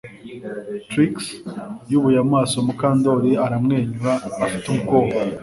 Trix yubuye amaso Mukandoli aramwenyura afite ubwoba